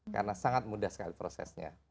karena sangat mudah sekali prosesnya